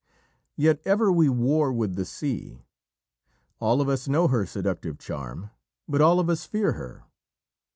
Yet ever we war with the sea. All of us know her seductive charm, but all of us fear her.